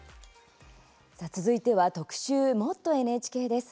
続いては特集「もっとＮＨＫ」です。